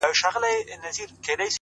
اې گوره تاته وايم;